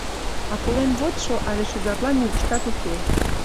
А колен вочшо але шӱгарла нигуштат уке.